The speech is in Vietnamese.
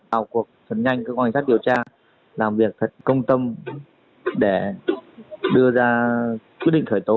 bảo cuộc thật nhanh cơ quan công an điều tra làm việc thật công tâm để đưa ra quyết định khởi tố